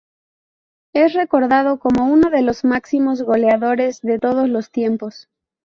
Es recordado como uno de los máximos goleadores de todos los tiempos.